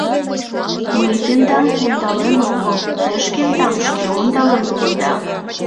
Мый тендам ондален омыл, те шкендам шке ондален улыда.